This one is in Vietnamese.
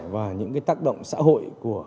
và những cái tác động xã hội của